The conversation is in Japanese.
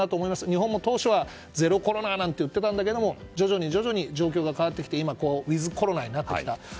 日本も当初はゼロコロナなんて言ってたんだけども徐々に状況が変わってきて今、ウィズコロナになってきた。